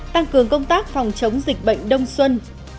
tăng cường công tác phòng chống dịch bệnh đông xuân